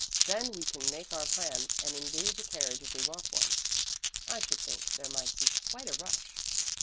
"Then we can make our plans, and engage a carriage if we want one. I should think there might be quite a rush."